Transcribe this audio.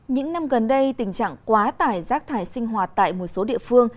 những năm gần đây tình trạng quá tải rác thải sinh hoạt tại một số địa phương